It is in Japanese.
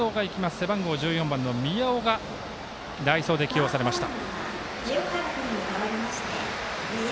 背番号１４番の宮尾が代走で起用されました。